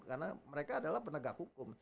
karena mereka adalah penegak hukum